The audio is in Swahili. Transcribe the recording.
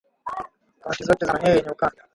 Kaunti zote za maeneo yenye ukame